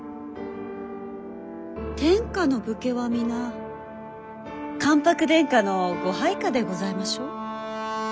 天下の武家は皆関白殿下のご配下でございましょう？